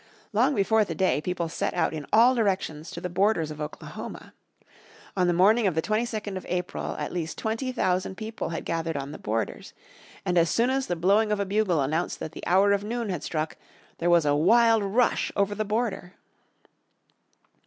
Long before the day people set out in all directions to the borders of Oklahoma. On the morning of the 22nd of April at least twenty thousand people had gathered on the borders. And as soon as the blowing of a bugle announced that the hour of noon had struck there was a wild rush over the border.